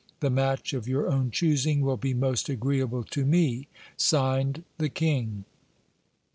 The match of your own choosing will be most agreeable to me." (Signed) The King.